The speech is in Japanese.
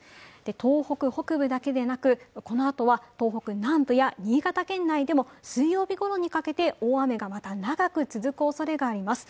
東北北部だけでなく、このあとは東北南部や新潟県内でも水曜日ごろにかけて、大雨が、また長く続くおそれがあります。